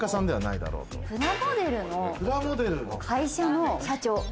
プラモデルの会社の社長。